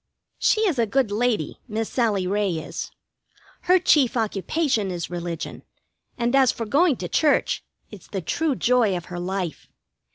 She is a good lady, Miss Sallie Ray is. Her chief occupation is religion, and as for going to church, it's the true joy of her life.